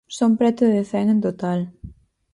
Son preto de cen en total.